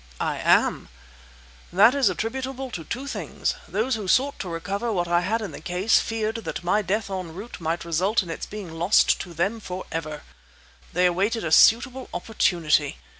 "I am!" "This is attributable to two things. Those who sought to recover what I had in the case feared that my death en route might result in its being lost to them for ever. They awaited a suitable opportunity.